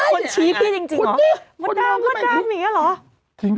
คนชีพบ้างจริงหรอ